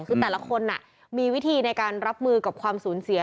คือแต่ละคนมีวิธีในการรับมือกับความสูญเสีย